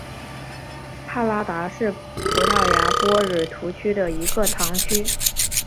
帕拉达是葡萄牙波尔图区的一个堂区。